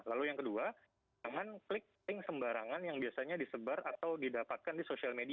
lalu yang kedua jangan klik tink sembarangan yang biasanya disebar atau didapatkan di sosial media